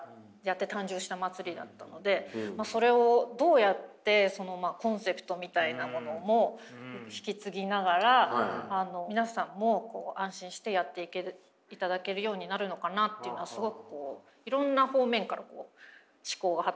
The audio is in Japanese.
それをどうやってコンセプトみたいなものも引き継ぎながら皆さんも安心してやっていただけるようになるのかなっていうのはすごくいろんな方面から思考が働いて。